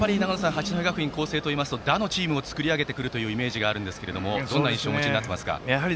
八戸学院光星というと打のチームを作り上げてくるイメージがあるんですがどんな印象をお持ちになってますか？